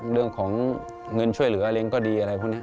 เรื่องของเงินช่วยเหลืออะไรก็ดีอะไรพวกนี้